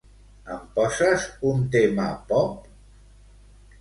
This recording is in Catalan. Em poses un tema pop?